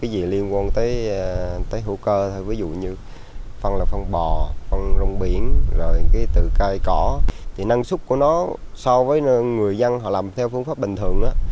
bò con rồng biển rồi cái tự cây cỏ thì năng suất của nó so với người dân họ làm theo phương pháp bình thường á